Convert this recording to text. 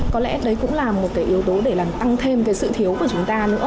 có lẽ đấy cũng là một cái yếu tố để làm tăng thêm cái sự thiếu của chúng ta nữa